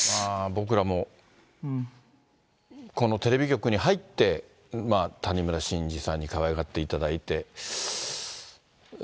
僕らもこのテレビ局に入って、谷村新司さんにかわいがっていただいて。